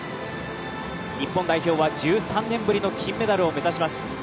日本代表は１３年ぶりの金メダルを目指します。